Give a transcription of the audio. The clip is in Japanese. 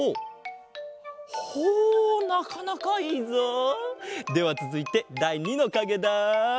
ほうほなかなかいいぞ！ではつづいてだい２のかげだ。